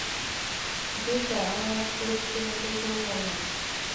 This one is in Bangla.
জ্বি, স্যার, আমার মতে পরিস্থিতি মোটেও সুখকর নয়।